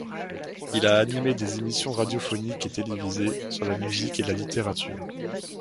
Il a animé des émissions radiophoniques et télévisées sur la musique et la littérature.